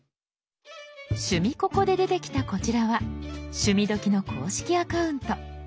「趣味ココ」で出てきたこちらは「趣味どきっ！」の公式アカウント。